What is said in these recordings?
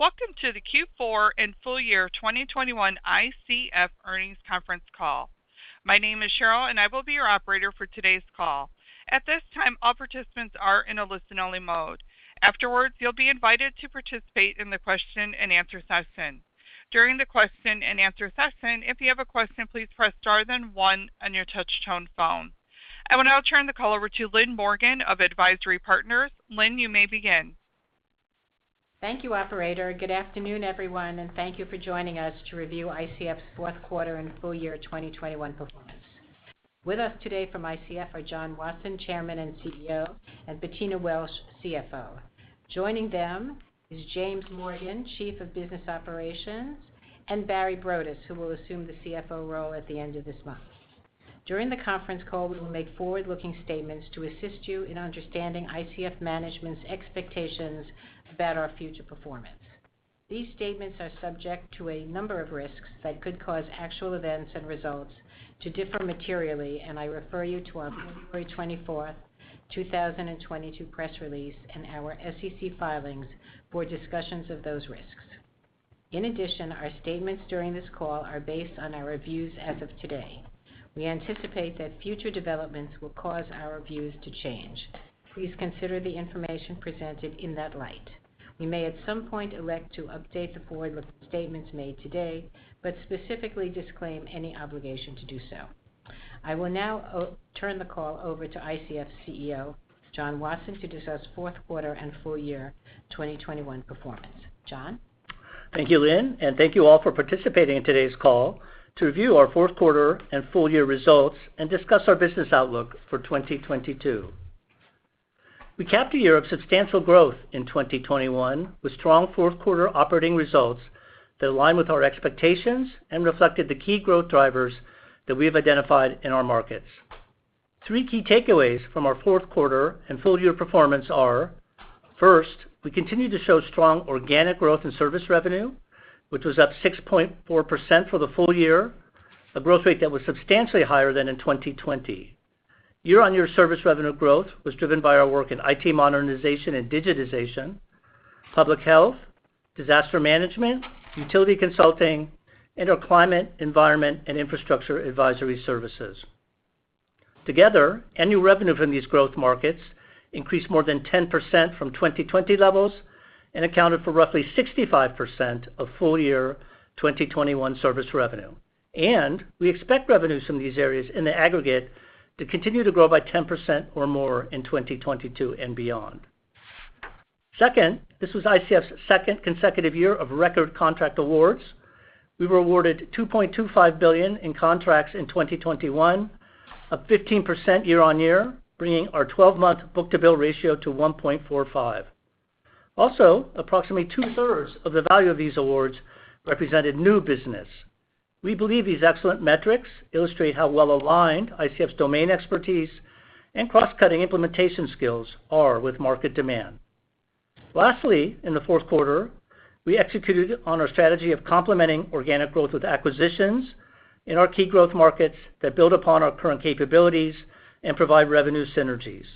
Welcome to the Q4 and full year 2021 ICF earnings conference call. My name is Cheryl and I will be your operator for today's call. At this time, all participants are in a listen-only mode. Afterwards, you'll be invited to participate in the question-and-answer session. During the question-and-answer session, if you have a question, please press star then one on your touch-tone phone. I will now turn the call over to Lynn Morgen of AdvisIRy Partners. Lynn, you may begin. Thank you, operator. Good afternoon, everyone, and thank you for joining us to review ICF's fourth quarter and full year 2021 performance. With us today from ICF are John Wasson, Chairman and CEO, and Bettina Welsh, CFO. Joining them is James Morgan, Chief of Business Operations, and Barry Broadus, who will assume the CFO role at the end of this month. During the conference call, we will make forward-looking statements to assist you in understanding ICF management's expectations about our future performance. These statements are subject to a number of risks that could cause actual events and results to differ materially, and I refer you to our February 24, 2022 press release and our SEC filings for discussions of those risks. In addition, our statements during this call are based on our reviews as of today. We anticipate that future developments will cause our views to change. Please consider the information presented in that light. We may at some point elect to update the forward-looking statements made today, but specifically disclaim any obligation to do so. I will now turn the call over to ICF's CEO, John Wasson, to discuss fourth quarter and full year 2021 performance. John? Thank you, Lynn, and thank you all for participating in today's call to review our fourth quarter and full year results and discuss our business outlook for 2022. We capped a year of substantial growth in 2021 with strong fourth quarter operating results that aligned with our expectations and reflected the key growth drivers that we have identified in our markets. Three key takeaways from our fourth quarter and full year performance are, first, we continue to show strong organic growth in service revenue, which was up 6.4% for the full year, a growth rate that was substantially higher than in 2020. Year-on-year service revenue growth was driven by our work in IT modernization and digitization, public health, disaster management, utility consulting, and our climate, environment, and infrastructure advisory services. Together, annual revenue from these growth markets increased more than 10% from 2020 levels and accounted for roughly 65% of full year 2021 service revenue. We expect revenues from these areas in the aggregate to continue to grow by 10% or more in 2022 and beyond. Second, this was ICF's second consecutive year of record contract awards. We were awarded $2.25 billion in contracts in 2021, up 15% year-on-year, bringing our 12-month book-to-bill ratio to 1.45. Also, approximately two-thirds of the value of these awards represented new business. We believe these excellent metrics illustrate how well-aligned ICF's domain expertise and cross-cutting implementation skills are with market demand. Lastly, in the fourth quarter, we executed on our strategy of complementing organic growth with acquisitions in our key growth markets that build upon our current capabilities and provide revenue synergies.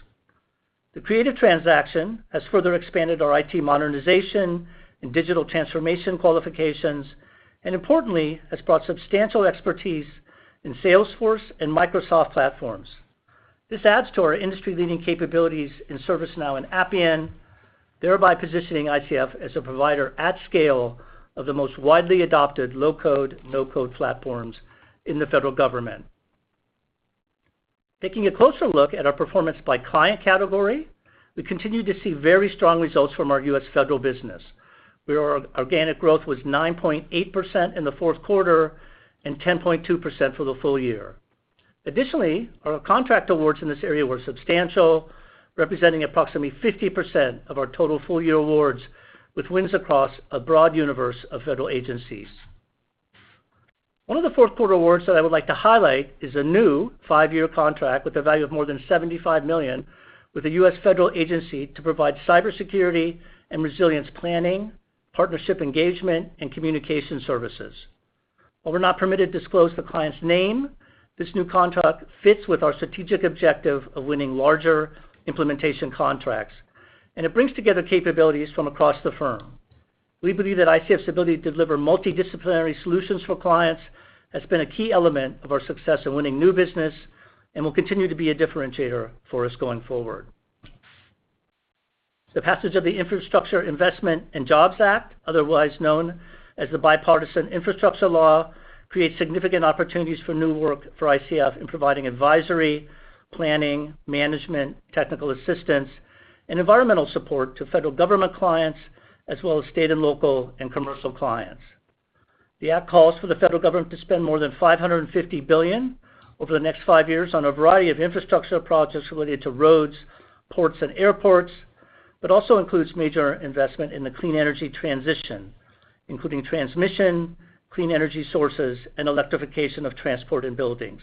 The Creative transaction has further expanded our IT modernization and digital transformation qualifications, and importantly, has brought substantial expertise in Salesforce and Microsoft platforms. This adds to our industry-leading capabilities in ServiceNow and Appian, thereby positioning ICF as a provider at scale of the most widely adopted low-code, no-code platforms in the federal government. Taking a closer look at our performance by client category, we continue to see very strong results from our U.S. federal business, where our organic growth was 9.8% in the fourth quarter and 10.2% for the full year. Additionally, our contract awards in this area were substantial, representing approximately 50% of our total full-year awards, with wins across a broad universe of federal agencies. One of the fourth quarter awards that I would like to highlight is a new five-year contract with a value of more than $75 million with a U.S. federal agency to provide cybersecurity and resilience planning, partnership engagement, and communication services. While we're not permitted to disclose the client's name, this new contract fits with our strategic objective of winning larger implementation contracts, and it brings together capabilities from across the firm. We believe that ICF's ability to deliver multidisciplinary solutions for clients has been a key element of our success in winning new business and will continue to be a differentiator for us going forward. The passage of the Infrastructure Investment and Jobs Act, otherwise known as the Bipartisan Infrastructure Law, creates significant opportunities for new work for ICF in providing advisory, planning, management, technical assistance, and environmental support to federal government clients, as well as state and local and commercial clients. The act calls for the federal government to spend more than $550 billion over the next five years on a variety of infrastructure projects related to roads, ports, and airports, but also includes major investment in the clean energy transition, including transmission, clean energy sources, and electrification of transport and buildings.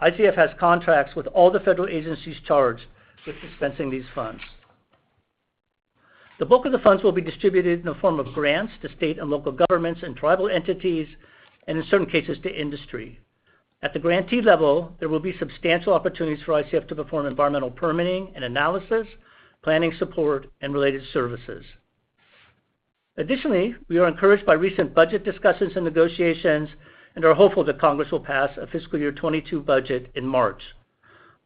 ICF has contracts with all the federal agencies charged with dispensing these funds. The bulk of the funds will be distributed in the form of grants to state and local governments and tribal entities, and in certain cases, to industry. At the grantee level, there will be substantial opportunities for ICF to perform environmental permitting and analysis, planning support, and related services. Additionally, we are encouraged by recent budget discussions and negotiations and are hopeful that Congress will pass a fiscal year 2022 budget in March.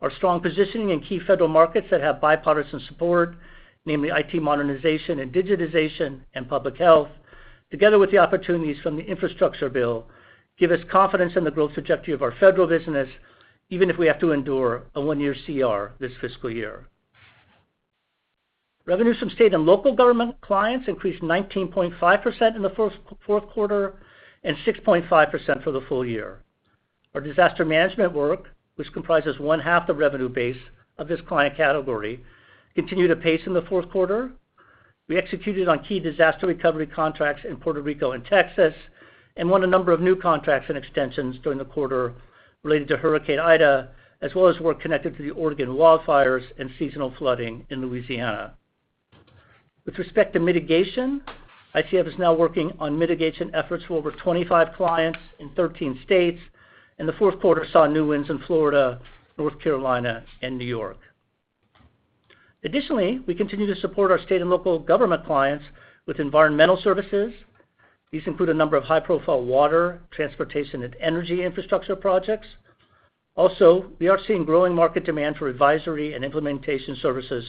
Our strong positioning in key federal markets that have bipartisan support, namely IT modernization and digitization and public health, together with the opportunities from the Infrastructure Bill, give us confidence in the growth trajectory of our federal business, even if we have to endure a one-year CR this fiscal year. Revenues from state and local government clients increased 19.5% in the fourth quarter and 6.5% for the full year. Our disaster management work, which comprises one half the revenue base of this client category, continued apace in the fourth quarter. We executed on key disaster recovery contracts in Puerto Rico and Texas and won a number of new contracts and extensions during the quarter related to Hurricane Ida, as well as work connected to the Oregon wildfires and seasonal flooding in Louisiana. With respect to mitigation, ICF is now working on mitigation efforts for over 25 clients in 13 states, and the fourth quarter saw new wins in Florida, North Carolina, and New York. Additionally, we continue to support our state and local government clients with environmental services. These include a number of high-profile water, transportation, and energy infrastructure projects. Also, we are seeing growing market demand for advisory and implementation services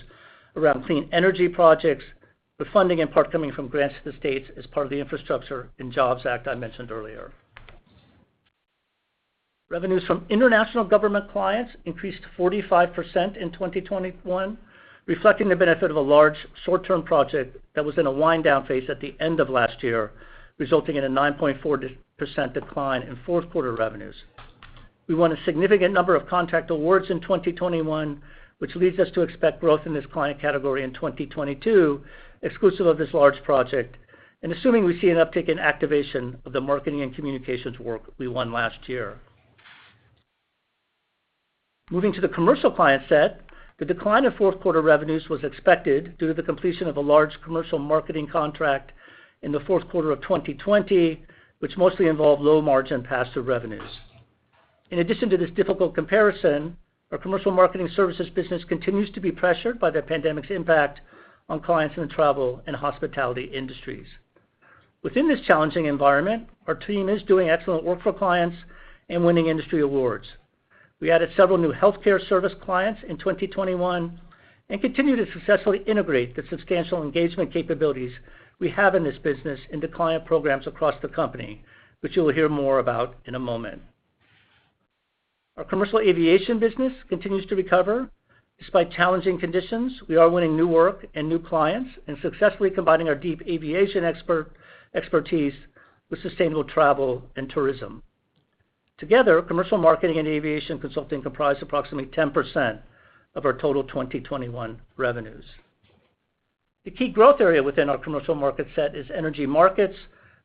around clean energy projects, with funding in part coming from grants to the states as part of the Infrastructure and Jobs Act I mentioned earlier. Revenues from international government clients increased 45% in 2021, reflecting the benefit of a large short-term project that was in a wind-down phase at the end of last year, resulting in a 9.4% decline in fourth quarter revenues. We won a significant number of contract awards in 2021, which leads us to expect growth in this client category in 2022, exclusive of this large project, and assuming we see an uptick in activation of the marketing and communications work we won last year. Moving to the commercial client set, the decline of fourth quarter revenues was expected due to the completion of a large commercial marketing contract in the fourth quarter of 2020, which mostly involved low margin passive revenues. In addition to this difficult comparison, our commercial marketing services business continues to be pressured by the pandemic's impact on clients in the travel and hospitality industries. Within this challenging environment, our team is doing excellent work for clients and winning industry awards. We added several new healthcare service clients in 2021 and continue to successfully integrate the substantial engagement capabilities we have in this business into client programs across the company, which you will hear more about in a moment. Our Commercial Aviation business continues to recover. Despite challenging conditions, we are winning new work and new clients and successfully combining our deep aviation expertise with sustainable travel and tourism. Together, commercial marketing and aviation consulting comprise approximately 10% of our total 2021 revenues. The key growth area within our commercial market set is energy markets,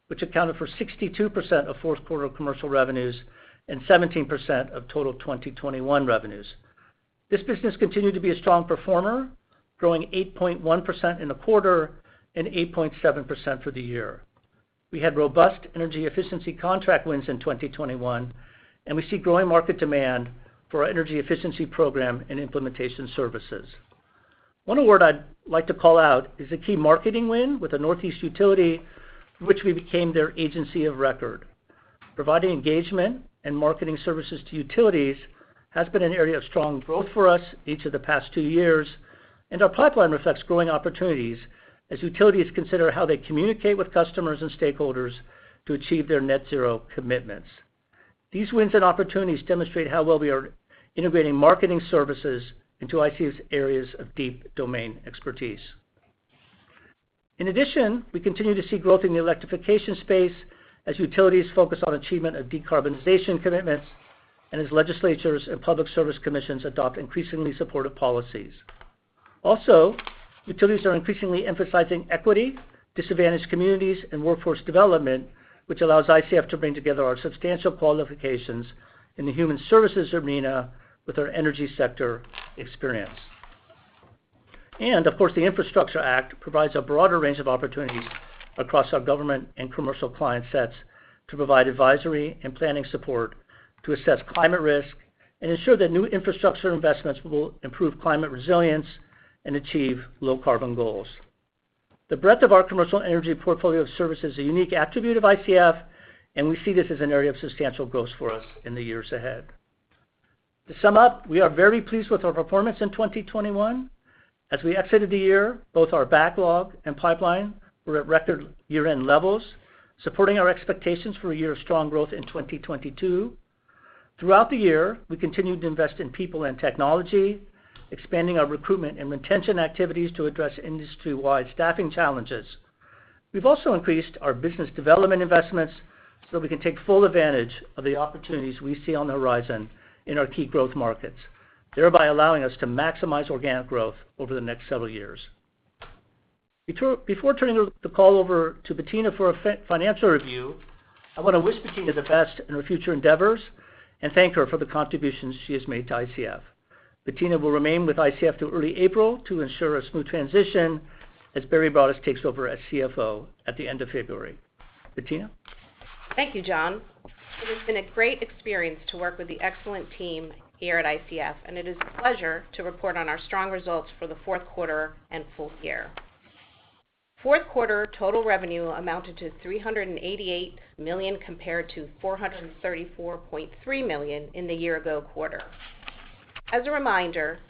which accounted for 62% of fourth quarter commercial revenues and 17% of total 2021 revenues. This business continued to be a strong performer, growing 8.1% in the quarter and 8.7% for the year. We had robust energy efficiency contract wins in 2021, and we see growing market demand for our energy efficiency program and implementation services. One award I'd like to call out is a key marketing win with a Northeast utility in which we became their agency of record. Providing engagement and marketing services to utilities has been an area of strong growth for us each of the past two years, and our pipeline reflects growing opportunities as utilities consider how they communicate with customers and stakeholders to achieve their net zero commitments. These wins and opportunities demonstrate how well we are integrating marketing services into ICF's areas of deep domain expertise. In addition, we continue to see growth in the electrification space as utilities focus on achievement of decarbonization commitments and as legislatures and public service commissions adopt increasingly supportive policies. Also, utilities are increasingly emphasizing equity, disadvantaged communities, and workforce development, which allows ICF to bring together our substantial qualifications in the human services arena with our energy sector experience. Of course, the Infrastructure Act provides a broader range of opportunities across our government and commercial client sets to provide advisory and planning support to assess climate risk and ensure that new infrastructure investments will improve climate resilience and achieve low carbon goals. The breadth of our commercial energy portfolio of service is a unique attribute of ICF, and we see this as an area of substantial growth for us in the years ahead. To sum up, we are very pleased with our performance in 2021. As we exited the year, both our backlog and pipeline were at record year-end levels, supporting our expectations for a year of strong growth in 2022. Throughout the year, we continued to invest in people and technology, expanding our recruitment and retention activities to address industry-wide staffing challenges. We've also increased our business development investments so we can take full advantage of the opportunities we see on the horizon in our key growth markets, thereby allowing us to maximize organic growth over the next several years. Before turning the call over to Bettina for a financial review, I want to wish Bettina the best in her future endeavors and thank her for the contributions she has made to ICF. Bettina will remain with ICF through early April to ensure a smooth transition as Barry Broadus takes over as CFO at the end of February. Bettina? Thank you, John. It has been a great experience to work with the excellent team here at ICF, and it is a pleasure to report on our strong results for the fourth quarter and full year. Fourth quarter total revenue amounted to $388 million compared to $434.3 million in the year ago quarter. As a reminder,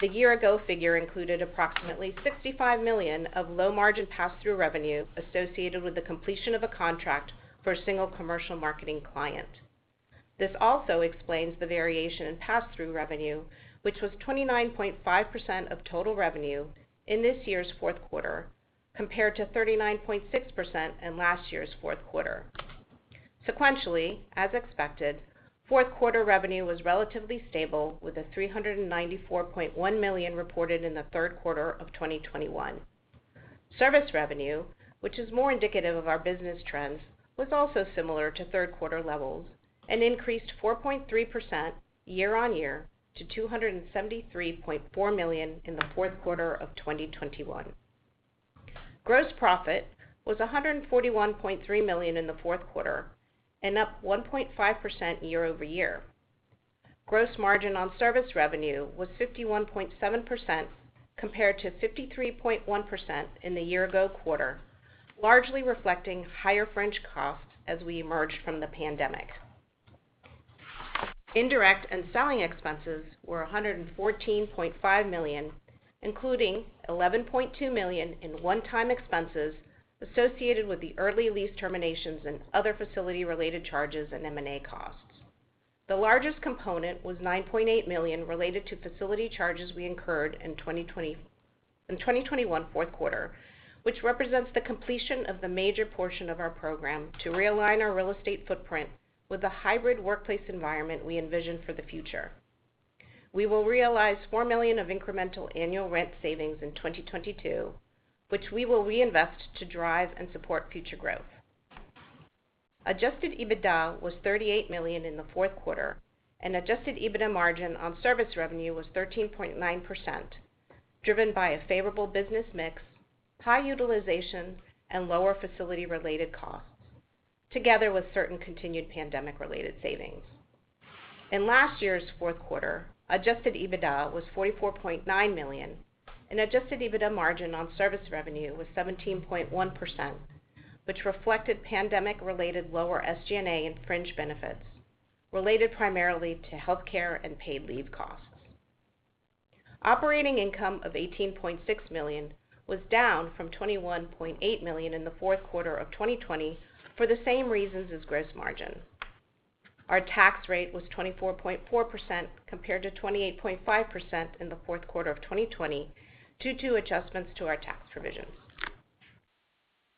the year ago figure included approximately $65 million of low margin passthrough revenue associated with the completion of a contract for a single commercial marketing client. This also explains the variation in passthrough revenue, which was 29.5% of total revenue in this year's fourth quarter compared to 39.6% in last year's fourth quarter. Sequentially, as expected, fourth quarter revenue was relatively stable with a $394.1 million reported in the third quarter of 2021. Service revenue, which is more indicative of our business trends, was also similar to third quarter levels and increased 4.3% year-on-year to $273.4 million in the fourth quarter of 2021. Gross profit was $141.3 million in the fourth quarter and up 1.5% year-over-year. Gross margin on service revenue was 51.7% compared to 53.1% in the year ago quarter, largely reflecting higher fringe costs as we emerged from the pandemic. Indirect and selling expenses were $114.5 million, including $11.2 million in one-time expenses associated with the early lease terminations and other facility-related charges and M&A costs. The largest component was $9.8 million related to facility charges we incurred in 2021 fourth quarter, which represents the completion of the major portion of our program to realign our real estate footprint with the hybrid workplace environment we envision for the future. We will realize $4 million of incremental annual rent savings in 2022, which we will reinvest to drive and support future growth. Adjusted EBITDA was $38 million in the fourth quarter, and adjusted EBITDA margin on service revenue was 13.9%, driven by a favorable business mix, high utilization, and lower facility-related costs, together with certain continued pandemic-related savings. In last year's fourth quarter, adjusted EBITDA was $44.9 million, and adjusted EBITDA margin on service revenue was 17.1%, which reflected pandemic-related lower SG&A and fringe benefits related primarily to healthcare and paid leave costs. Operating income of $18.6 million was down from $21.8 million in the fourth quarter of 2020 for the same reasons as gross margin. Our tax rate was 24.4% compared to 28.5% in the fourth quarter of 2020 due to adjustments to our tax provisions.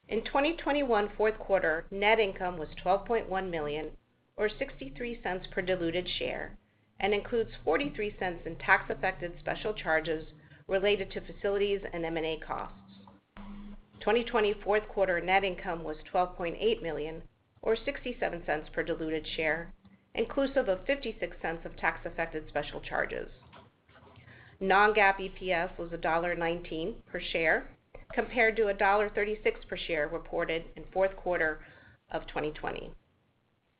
In 2021 fourth quarter, net income was $12.1 million or $0.63 per diluted share and includes $0.43 in tax-affected special charges related to facilities and M&A costs. 2020 fourth quarter net income was $12.8 million or $0.67 per diluted share, inclusive of $0.56 of tax-affected special charges. Non-GAAP EPS was $1.19 per share, compared to $1.36 per share reported in fourth quarter of 2020.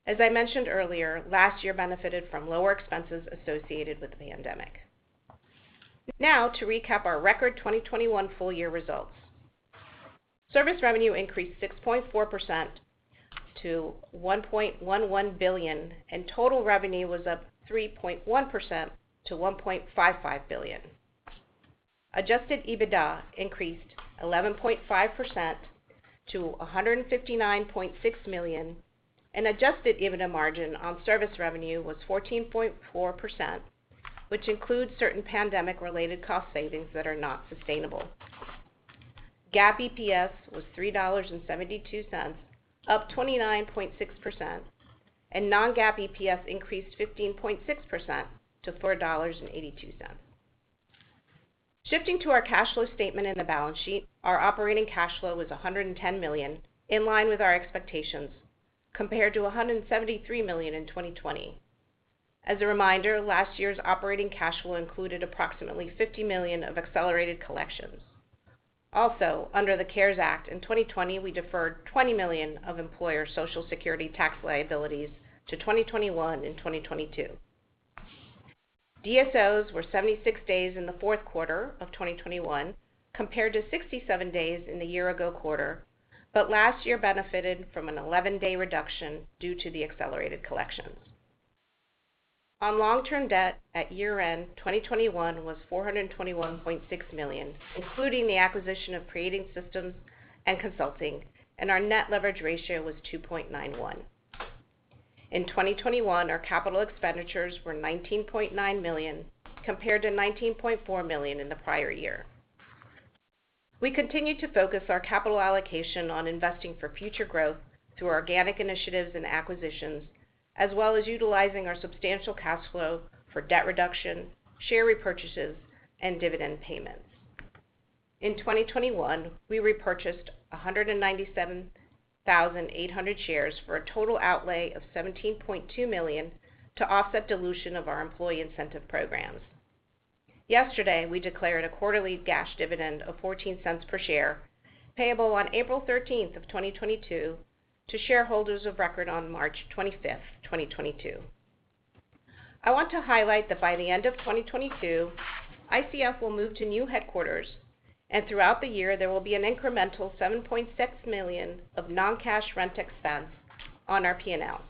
As I mentioned earlier, last year benefited from lower expenses associated with the pandemic. Now to recap our record 2021 full year results. Service revenue increased 6.4% to $1.11 billion, and total revenue was up 3.1% to $1.55 billion. Adjusted EBITDA increased 11.5% to $159.6 million, and adjusted EBITDA margin on service revenue was 14.4%, which includes certain pandemic-related cost savings that are not sustainable. GAAP EPS was $3.72, up 29.6%, and non-GAAP EPS increased 15.6% to $4.82. Shifting to our cash flow statement and the balance sheet, our operating cash flow was $110 million, in line with our expectations, compared to $173 million in 2020. As a reminder, last year's operating cash flow included approximately $50 million of accelerated collections. Also, under the CARES Act in 2020, we deferred $20 million of employer Social Security tax liabilities to 2021 and 2022. DSOs were 76 days in the fourth quarter of 2021 compared to 67 days in the year ago quarter, but last year benefited from an 11-day reduction due to the accelerated collections. Our long-term debt at year-end 2021 was $421.6 million, including the acquisition of Creative Systems and Consulting, and our net leverage ratio was 2.91x. In 2021, our capital expenditures were $19.9 million compared to $19.4 million in the prior year. We continued to focus our capital allocation on investing for future growth through organic initiatives and acquisitions, as well as utilizing our substantial cash flow for debt reduction, share repurchases, and dividend payments. In 2021, we repurchased 197,800 shares for a total outlay of $17.2 million to offset dilution of our employee incentive programs. Yesterday, we declared a quarterly cash dividend of $0.14 per share, payable on April 13, 2022 to shareholders of record on March 25, 2022. I want to highlight that by the end of 2022, ICF will move to new headquarters, and throughout the year, there will be an incremental $7.6 million of non-cash rent expense on our P&L.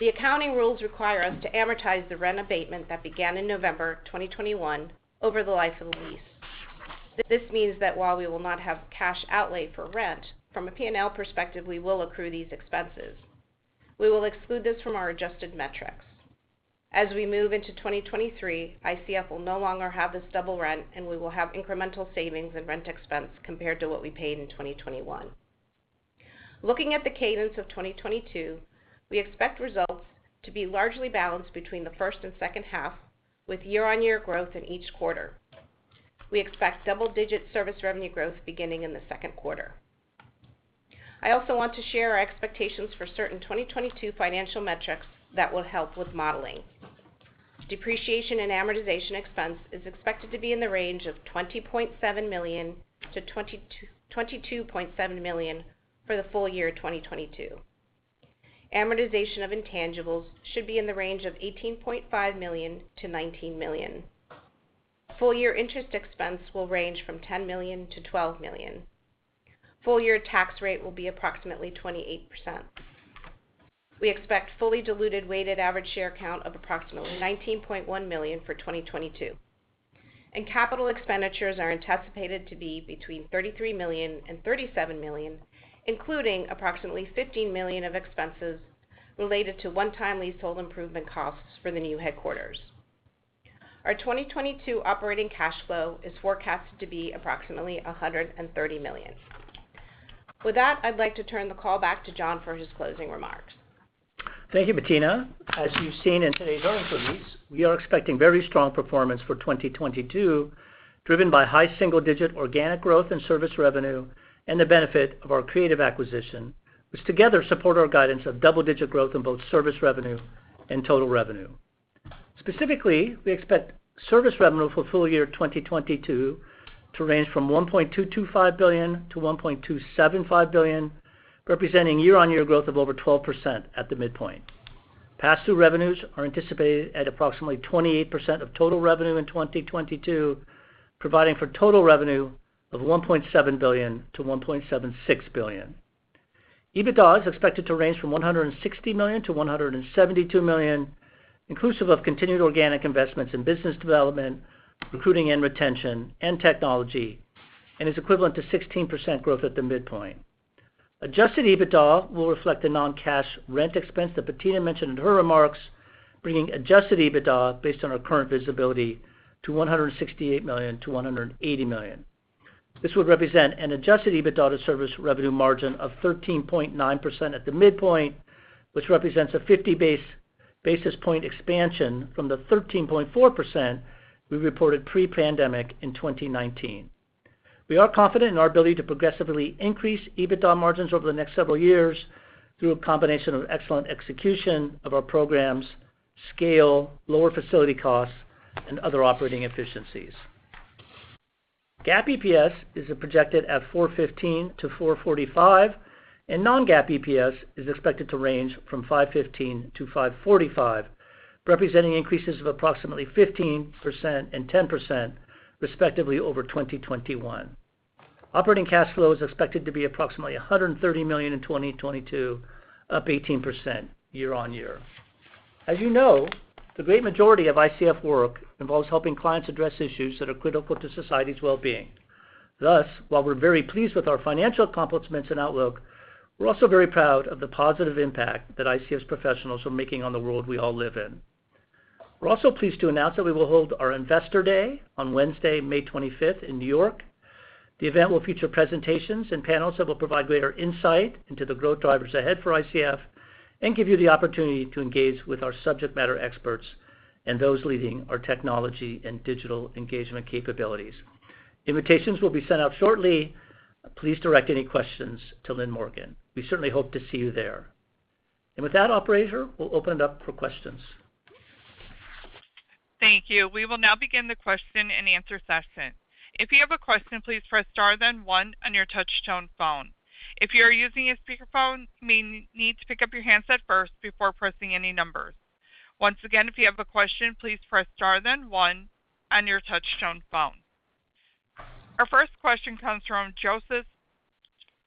The accounting rules require us to amortize the rent abatement that began in November 2021 over the life of the lease. This means that while we will not have cash outlay for rent, from a P&L perspective, we will accrue these expenses. We will exclude this from our adjusted metrics. As we move into 2023, ICF will no longer have this double rent, and we will have incremental savings in rent expense compared to what we paid in 2021. Looking at the cadence of 2022, we expect results to be largely balanced between the first and second half with year-on-year growth in each quarter. We expect double-digit service revenue growth beginning in the second quarter. I also want to share our expectations for certain 2022 financial metrics that will help with modeling. Depreciation and amortization expense is expected to be in the range of $20.7 million-$22.7 million for the full year 2022. Amortization of intangibles should be in the range of $18.5 million-$19 million. Full year interest expense will range from $10 million-$12 million. Full year tax rate will be approximately 28%. We expect fully diluted weighted average share count of approximately 19.1 million for 2022. Capital expenditures are anticipated to be between $33 million and $37 million, including approximately $15 million of expenses related to one-time leasehold improvement costs for the new headquarters. Our 2022 operating cash flow is forecasted to be approximately $130 million. With that, I'd like to turn the call back to John for his closing remarks. Thank you, Bettina. As you've seen in today's earnings release, we are expecting very strong performance for 2022, driven by high single-digit organic growth in service revenue and the benefit of our Creative acquisition, which together support our guidance of double-digit growth in both service revenue and total revenue. Specifically, we expect service revenue for full year 2022 to range from $1.225 billion-$1.275 billion, representing year-on-year growth of over 12% at the midpoint. Pass-through revenues are anticipated at approximately 28% of total revenue in 2022, providing for total revenue of $1.7 billion-$1.76 billion. EBITDA is expected to range from $160 million-$172 million, inclusive of continued organic investments in business development, recruiting and retention, and technology, and is equivalent to 16% growth at the midpoint. Adjusted EBITDA will reflect the non-cash rent expense that Bettina mentioned in her remarks, bringing adjusted EBITDA based on our current visibility to $168 million-$180 million. This would represent an adjusted EBITDA to service revenue margin of 13.9% at the midpoint, which represents a 50 basis point expansion from the 13.4% we reported pre-pandemic in 2019. We are confident in our ability to progressively increase EBITDA margins over the next several years through a combination of excellent execution of our programs, scale, lower facility costs, and other operating efficiencies. GAAP EPS is projected at $4.15-$4.45, and non-GAAP EPS is expected to range from $5.15-$5.45, representing increases of approximately 15% and 10%, respectively, over 2021. Operating cash flow is expected to be approximately $130 million in 2022, up 18% year-on-year. As you know, the great majority of ICF work involves helping clients address issues that are critical to society's well-being. Thus, while we're very pleased with our financial accomplishments and outlook, we're also very proud of the positive impact that ICF professionals are making on the world we all live in. We're also pleased to announce that we will hold our Investor Day on Wednesday, May 25th in New York. The event will feature presentations and panels that will provide greater insight into the growth drivers ahead for ICF and give you the opportunity to engage with our subject matter experts and those leading our technology and digital engagement capabilities. Invitations will be sent out shortly. Please direct any questions to Lynn Morgen. We certainly hope to see you there. With that, operator, we'll open it up for questions. Thank you. We will now begin the question-and-answer session. If you have a question, please press star then one on your touch-tone phone. If you are using a speakerphone, you may need to pick up your handset first before pressing any number. Once again, if you have a question, please press star then one on your touch-tone phone. Our first question comes from Joseph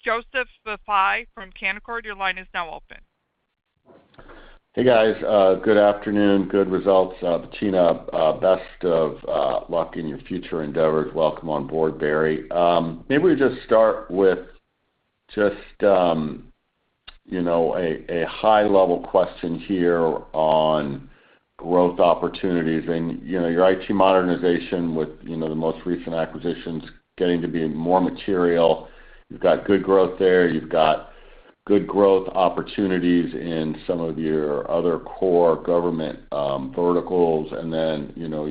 Vafi from Canaccord. Your line is now open. Hey, guys. Good afternoon. Good results, Bettina. Best of luck in your future endeavors. Welcome on board, Barry. Maybe we just start with you know, a high-level question here on growth opportunities and, you know, your IT modernization with, you know, the most recent acquisitions getting to be more material. You've got good growth there. You've got good growth opportunities in some of your other core government verticals. Then, you know,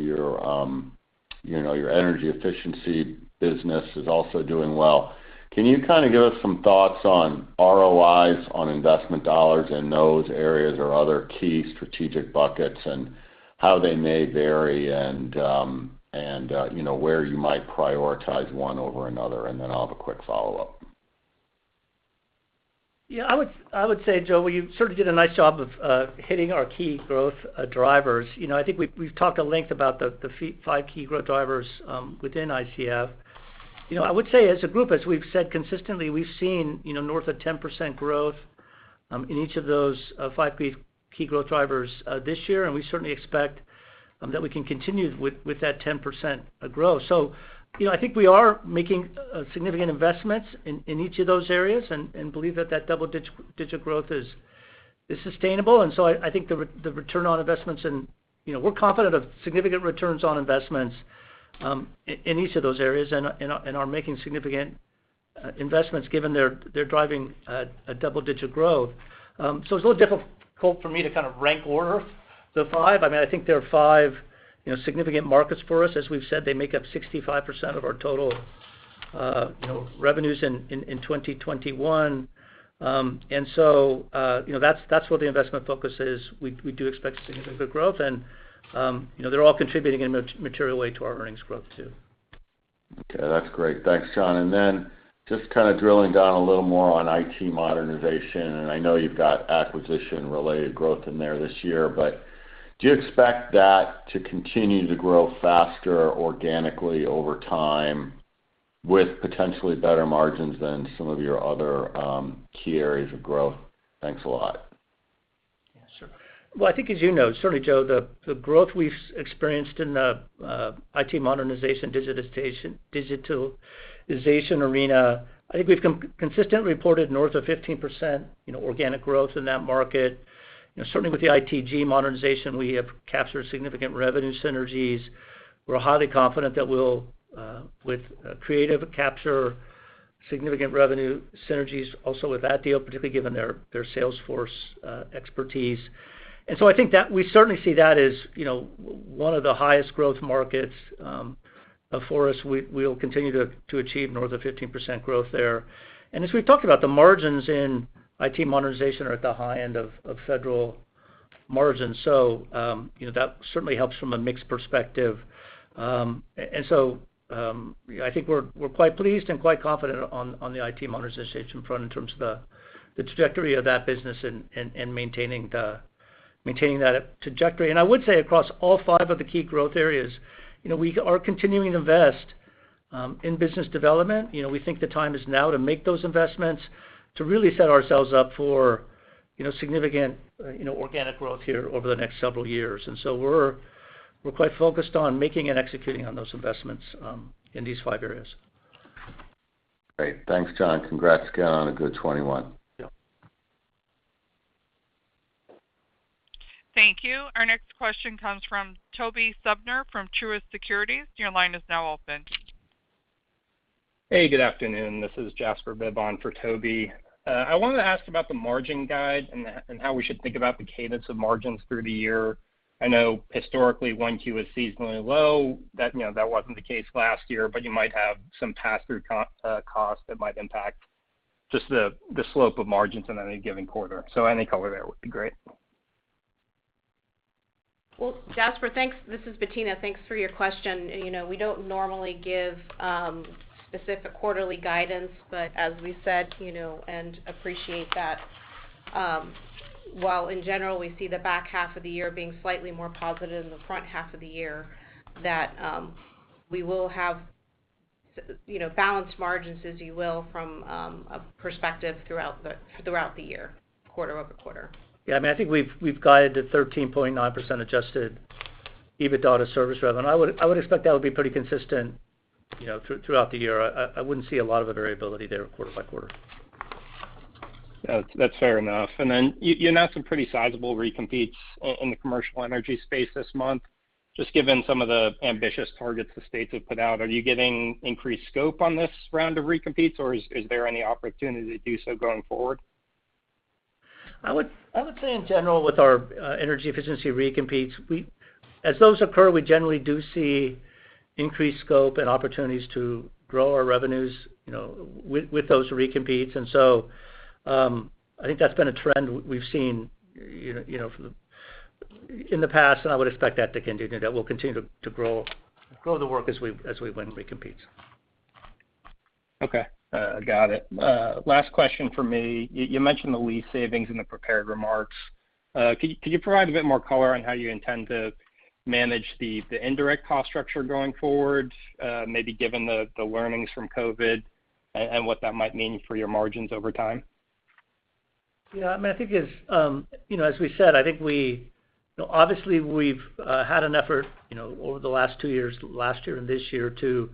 your energy efficiency business is also doing well. Can you kind of give us some thoughts on ROIs on investment dollars in those areas or other key strategic buckets and how they may vary and, you know, where you might prioritize one over another? Then I'll have a quick follow-up. Yeah, I would say, Joe, well, you sort of did a nice job of hitting our key growth drivers. You know, I think we've talked at length about the five key growth drivers within ICF. You know, I would say as a group, as we've said consistently, we've seen, you know, north of 10% growth in each of those five key growth drivers this year, and we certainly expect that we can continue with that 10% growth. You know, I think we are making significant investments in each of those areas and believe that that double-digit growth is sustainable. I think the return on investments and, you know, we're confident of significant returns on investments in each of those areas and are making significant investments given they're driving a double-digit growth. It's a little difficult for me to kind of rank order, the five. I mean, I think there are five, you know, significant markets for us. As we've said, they make up 65% of our total, you know, revenues in 2021. You know, that's where the investment focus is. We do expect significant growth and, you know, they're all contributing in a material way to our earnings growth too. Okay, that's great. Thanks, John. Just kind of drilling down a little more on IT modernization, and I know you've got acquisition-related growth in there this year, but do you expect that to continue to grow faster organically over time with potentially better margins than some of your other key areas of growth? Thanks a lot. Yeah, sure. Well, I think as you know, certainly, Joe, the growth we've experienced in the IT modernization, digitalization arena, I think we've consistently reported north of 15%, you know, organic growth in that market. You know, certainly with the ITG modernization, we have captured significant revenue synergies. We're highly confident that we'll, with Creative, capture significant revenue synergies also with that deal, particularly given their Salesforce expertise. I think that we certainly see that as, you know, one of the highest growth markets for us. We'll continue to achieve north of 15% growth there. As we've talked about the margins in IT modernization are at the high end of federal margins. You know, that certainly helps from a mix perspective. I think we're quite pleased and quite confident on the IT modernization front in terms of the trajectory of that business and maintaining that trajectory. I would say across all five of the key growth areas, you know, we are continuing to invest in business development. You know, we think the time is now to make those investments to really set ourselves up for, you know, significant organic growth here over the next several years. We're quite focused on making and executing on those investments in these five areas. Great. Thanks, John. Congrats again on a good 2021. Thank you. Our next question comes from Tobey Sommer from Truist Securities. Your line is now open. Hey, good afternoon. This is Jasper Bibb for Tobey. I wanted to ask about the margin guide and how we should think about the cadence of margins through the year. I know historically, 1Q is seasonally low. That, you know, that wasn't the case last year, but you might have some pass-through costs that might impact just the slope of margins in any given quarter. Any color there would be great. Well, Jasper, thanks. This is Bettina. Thanks for your question. You know, we don't normally give specific quarterly guidance, but as we said, you know, and appreciate that, while in general, we see the back half of the year being slightly more positive than the front half of the year, that we will have, you know, balanced margins as you will from a perspective throughout the year, quarter-over-quarter. Yeah. I mean, I think we've guided the 13.9% adjusted EBITDA to service revenue, and I would expect that would be pretty consistent, you know, throughout the year. I wouldn't see a lot of the variability there quarter-by-quarter. That's fair enough. You announced some pretty sizable recompetes in the commercial energy space this month. Just given some of the ambitious targets the states have put out, are you getting increased scope on this round of recompetes, or is there any opportunity to do so going forward? I would say in general with our energy efficiency recompetes, as those occur, we generally do see increased scope and opportunities to grow our revenues, you know, with those recompetes. I think that's been a trend we've seen, you know, in the past, and I would expect that to continue, that we'll continue to grow the work as we win recompetes. Okay. Got it. Last question for me. You mentioned the lease savings in the prepared remarks. Can you provide a bit more color on how you intend to manage the indirect cost structure going forward, maybe given the learnings from COVID and what that might mean for your margins over time? Yeah. I mean, I think as you know, as we said, I think we you know, obviously we've had an effort you know, over the last two years, last year and this year to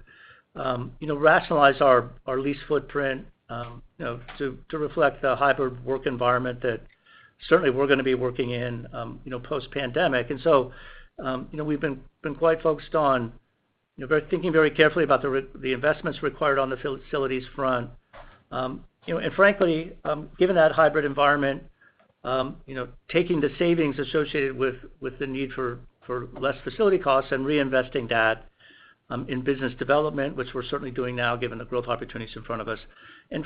you know, rationalize our lease footprint you know, to reflect the hybrid work environment that certainly we're gonna be working in you know, post-pandemic. You know, we've been quite focused on thinking very carefully about the investments required on the facilities front. You know, and frankly, given that hybrid environment you know, taking the savings associated with the need for less facility costs and reinvesting that in business development, which we're certainly doing now, given the growth opportunities in front of us.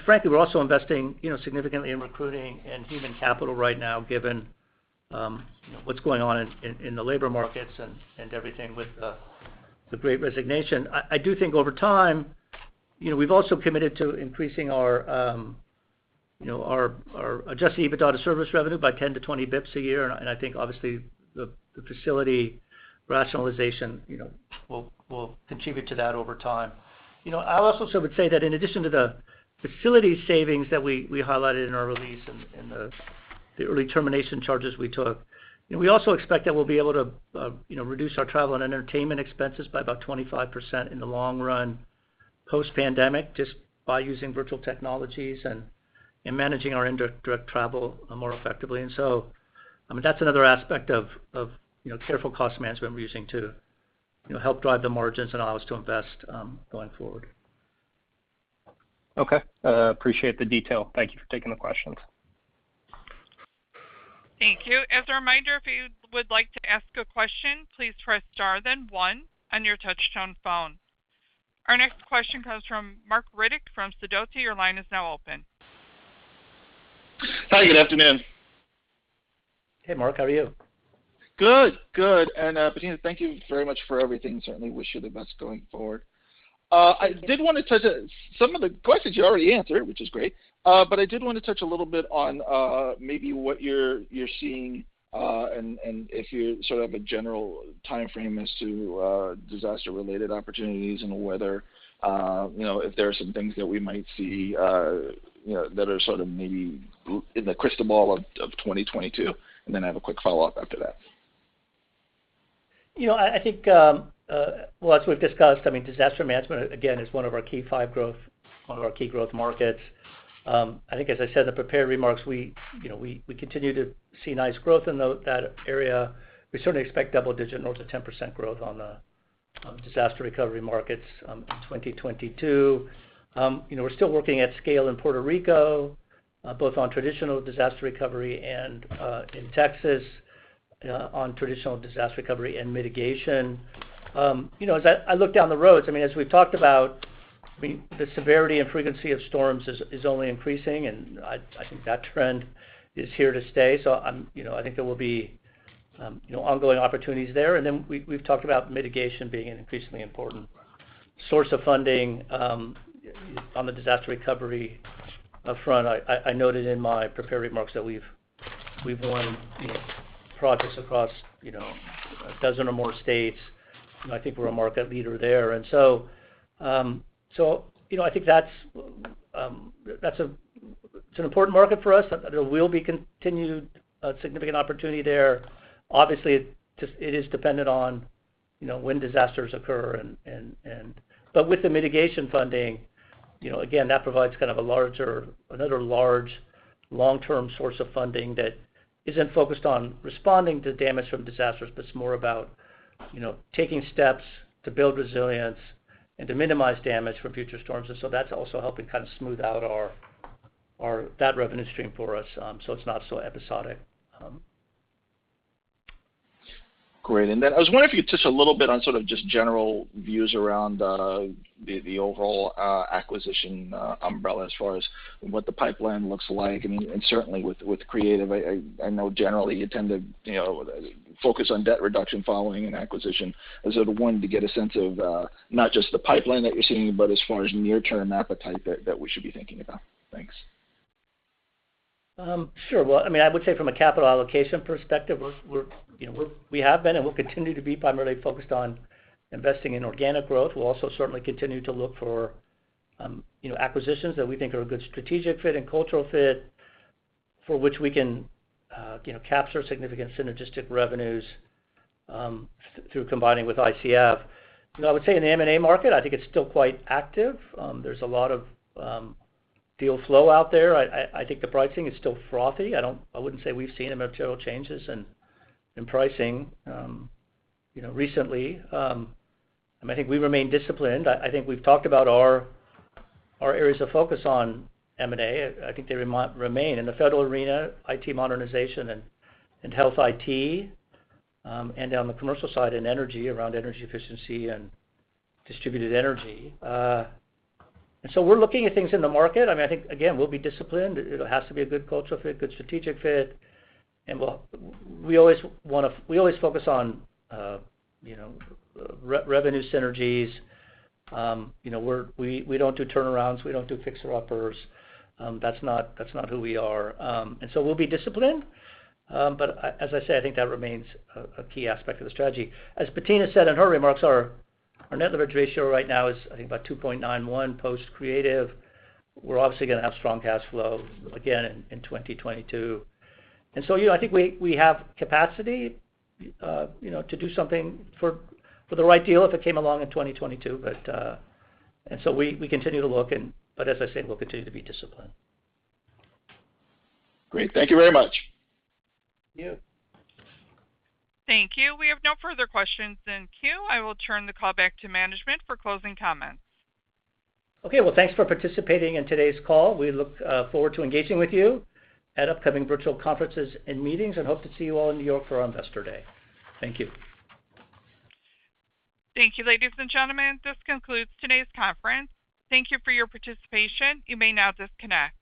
Frankly, we're also investing, you know, significantly in recruiting and human capital right now, given, you know, what's going on in the labor markets and everything with the Great Resignation. I do think over time, you know, we've also committed to increasing our adjusted EBITDA service revenue by 10 bps-20 bps a year. I think obviously the facility rationalization, you know, will contribute to that over time. You know, I also would say that in addition to the facility savings that we highlighted in our release and the early termination charges we took, you know, we also expect that we'll be able to, you know, reduce our travel and entertainment expenses by about 25% in the long run post-pandemic, just by using virtual technologies and managing our indirect travel more effectively. I mean, that's another aspect of, you know, careful cost management we're using to, you know, help drive the margins and allow us to invest going forward. Okay. I appreciate the detail. Thank you for taking the questions. Thank you. As a reminder, if you would like to ask a question, please press star then one on your touch-tone phone. Our next question comes from Marc Riddick from Sidoti. Your line is now open. Hi, good afternoon. Hey, Marc. How are you? Good. Good. Bettina, thank you very much for everything. Certainly wish you the best going forward. I did wanna touch on some of the questions you already answered, which is great. I did wanna touch a little bit on maybe what you're seeing and if you sort of have a general timeframe as to disaster-related opportunities and whether you know if there are some things that we might see you know that are sort of maybe in the crystal ball of 2022? And then I have a quick follow-up after that. You know, I think, well, as we've discussed, I mean, disaster management again is one of our key growth markets. I think as I said in the prepared remarks, we continue to see nice growth in that area. We certainly expect double-digit north of 10% growth on the disaster recovery markets in 2022. You know, we're still working at scale in Puerto Rico, both on traditional disaster recovery and in Texas on traditional disaster recovery and mitigation. You know, as I look down the road, I mean, as we've talked about, I mean, the severity and frequency of storms is only increasing, and I think that trend is here to stay. You know, I think there will be, you know, ongoing opportunities there. Then we've talked about mitigation being an increasingly important source of funding on the disaster recovery front. I noted in my prepared remarks that we've won, you know, projects across, you know, a dozen or more states, and I think we're a market leader there. So, you know, I think that's. It's an important market for us that there will be continued significant opportunity there. Obviously, it is dependent on, you know, when disasters occur and. With the mitigation funding, you know, again, that provides kind of a larger- Another large long-term source of funding that isn't focused on responding to damage from disasters, but it's more about, you know, taking steps to build resilience and to minimize damage from future storms. That's also helping kind of smooth out our that revenue stream for us, so it's not so episodic. Great. I was wondering if you touch a little bit on sort of just general views around the overall acquisition umbrella as far as what the pipeline looks like and certainly with Creative. I know generally you tend to, you know, focus on debt reduction following an acquisition. I sort of wanted to get a sense of not just the pipeline that you're seeing, but as far as near-term appetite that we should be thinking about. Thanks. Sure. Well, I mean, I would say from a capital allocation perspective, we're, you know, we have been and we'll continue to be primarily focused on investing in organic growth. We'll also certainly continue to look for, you know, acquisitions that we think are a good strategic fit and cultural fit, for which we can, you know, capture significant synergistic revenues, through combining with ICF. You know, I would say in the M&A market, I think it's still quite active. There's a lot of deal flow out there. I think the pricing is still frothy. I wouldn't say we've seen a material changes in pricing, you know, recently. I think we remain disciplined. I think we've talked about our areas of focus on M&A. I think they remain in the federal arena, IT modernization and health IT, and on the commercial side in energy, around energy efficiency and distributed energy. We're looking at things in the market. I mean, I think again, we'll be disciplined. It'll have to be a good cultural fit, good strategic fit, and we'll always focus on, you know, revenue synergies. You know, we don't do turnarounds. We don't do fixer uppers. That's not who we are. We'll be disciplined. As I say, I think that remains a key aspect of the strategy. As Bettina said in her remarks, our net leverage ratio right now is, I think, about 2.91x post-Creative. We're obviously gonna have strong cash flow again in 2022. You know, I think we have capacity to do something for the right deal if it came along in 2022. We continue to look but as I said, we'll continue to be disciplined. Great. Thank you very much. Thank you. Thank you. We have no further questions in queue. I will turn the call back to management for closing comments. Okay. Well, thanks for participating in today's call. We look forward to engaging with you at upcoming virtual conferences and meetings and hope to see you all in New York for our Investor Day. Thank you. Thank you, ladies and gentlemen. This concludes today's conference. Thank you for your participation. You may now disconnect.